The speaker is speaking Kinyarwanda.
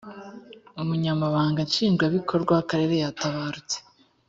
umunyamabanga nshingabikorwa w akarere yatabarutse